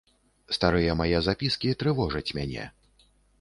Старыя мае запіскі трывожаць мяне.